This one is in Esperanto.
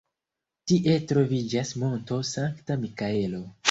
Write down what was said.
Tie troviĝas Monto Sankta Mikaelo.